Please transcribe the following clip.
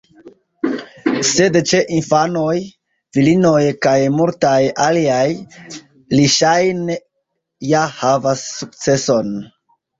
Sed ĉe infanoj, virinoj kaj multaj aliaj, li ŝajne ja havas sukceson.